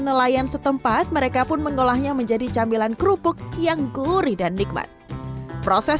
nelayan setempat mereka pun mengolahnya menjadi camilan kerupuk yang gurih dan nikmat proses